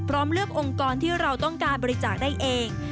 เลือกองค์กรที่เราต้องการบริจาคได้เอง